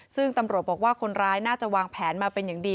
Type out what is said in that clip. ซึ่งตำรวจบอกว่าคนร้ายน่าจะวางแผนมาเป็นอย่างดี